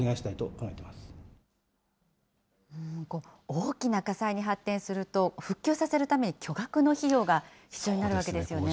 大きな火災に発展すると、復旧させるために巨額の費用が必要になるわけですね。